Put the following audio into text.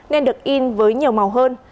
nên được in với nhiều màu hơn